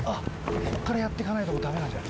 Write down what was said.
こっからやってかないともうダメなんじゃ。